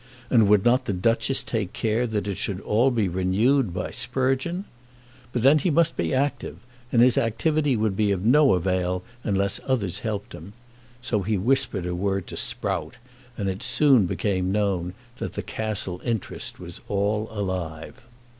And would not the Duchess take care that it should all be renewed by Sprugeon? But then he must be active, and his activity would be of no avail unless others helped him. So he whispered a word to Sprout, and it soon became known that the Castle interest was all alive.